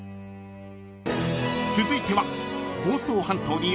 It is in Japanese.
［続いては］